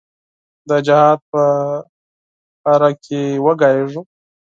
د جهاد په باره کې وږغیږو.